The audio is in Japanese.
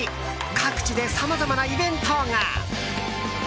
各地でさまざまなイベントが。